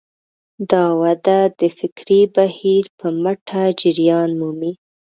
دا وده د فکري بهیر په مټ جریان مومي.